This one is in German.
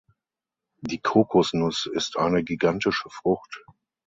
Die Kokosnuss ist eine gigantische Frucht.